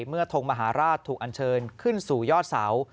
ทงมหาราชถูกอันเชิญขึ้นสู่ยอดเสา